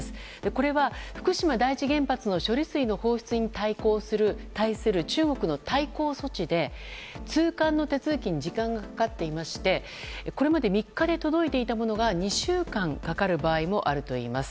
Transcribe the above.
これは福島第一原発の処理水の放出に対する中国の対抗措置で、通関の手続きに時間がかかっていましてこれまで３日で届いていたものが２週間かかる場合もあるといいます。